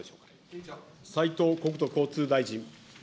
斉藤国土交通大臣。